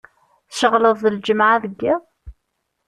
Tceɣleḍ d lǧemεa deg yiḍ?